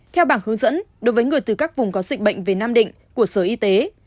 theo bảng hướng dẫn đối với người từ các vùng có dịch bệnh về nam định của sở y tế